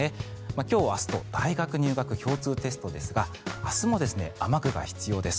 今日、明日と大学入学共通テストですが明日も雨具が必要です。